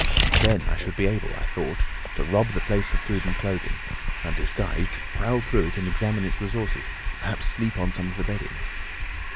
Then I should be able, I thought, to rob the place for food and clothing, and disguised, prowl through it and examine its resources, perhaps sleep on some of the bedding.